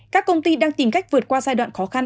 các công ty đang tìm cách vượt qua giai đoạn khó khăn